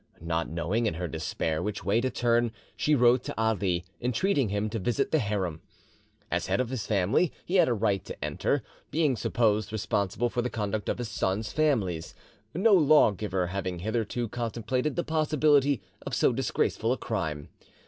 Not knowing in her despair which way to turn, she wrote to Ali, entreating him to visit the harem. As head of the family, he had a right to enter, being supposed responsible for the conduct of his sons' families, no law giver having hitherto contemplated the possibility of so disgraceful a crime.